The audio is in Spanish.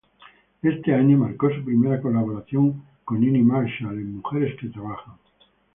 Ese año marcó su primera colaboración con Niní Marshall, en "Mujeres que trabajan".